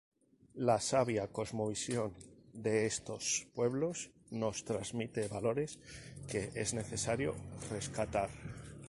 La sabia cosmovisión de estos pueblos nos transmite valores que es necesario rescatar.